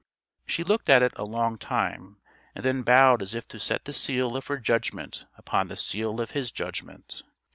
She looked at it a long time, and then bowed as if to set the seal of her judgment upon the seal of his judgment.